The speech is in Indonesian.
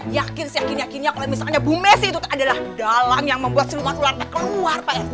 yakin si yakin yakinnya kalau misalnya bu messi itu adalah dalam yang membuat si nudul mata keluar pak rt